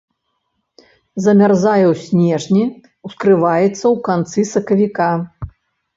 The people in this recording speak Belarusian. Замярзае ў снежні, ускрываецца ў канцы сакавіка.